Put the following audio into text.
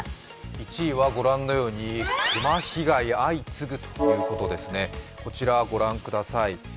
１位はご覧のように熊被害相次ぐということです、こちらご覧ください。